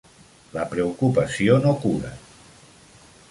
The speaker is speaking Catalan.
La preocupació no cura